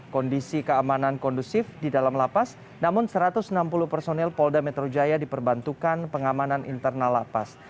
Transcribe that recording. kondisi keamanan kondusif di dalam lapas namun satu ratus enam puluh personel polda metro jaya diperbantukan pengamanan internal lapas